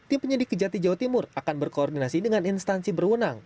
tim penyidik kejati jawa timur akan berkoordinasi dengan instansi berwenang